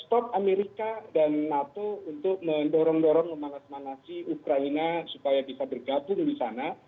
stop amerika dan nato untuk mendorong dorong memanas manasi ukraina supaya bisa bergabung di sana